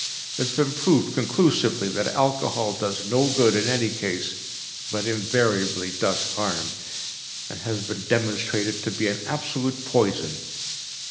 It has been proved conclusively that alcohol does no good in any case, but invariably does harm, and it has been demonstrated to be an absolute poison.